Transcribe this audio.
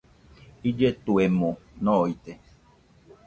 Illetuemo noide.